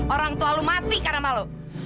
orang tua lu mati karena malu